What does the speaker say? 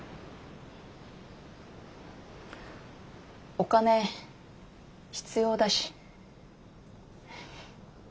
お金必要だし。